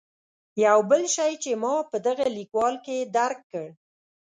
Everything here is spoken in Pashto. یو بل شی چې ما په دغه لیکوال کې درک کړ.